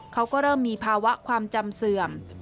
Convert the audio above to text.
เขาก็เริ่มมีภาวะความจำเสื่อม